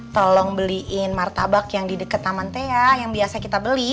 tolong beliin martabak yang di dekat taman tea yang biasa kita beli